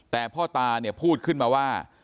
แต่พ่อตาเนี่ยพูดขึ้นมาว่า